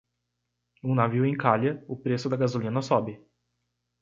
Um navio encalha, o preço da gasolina sobe